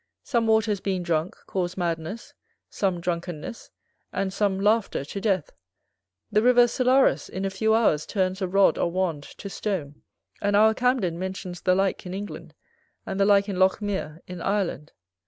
Some waters being drunk, cause madness, some drunkenness, and some laughter to death. The river Selarus in a few hours turns a rod or wand to stone: and our Camden mentions the like in England, and the like in Lochmere in Ireland.